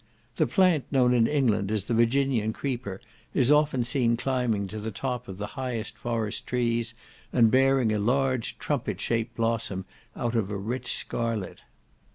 The plant known in England as the Virginian creeper, is often seen climbing to the top of the highest forest trees, and bearing a large trumpet shaped blossom of a rich scarlet.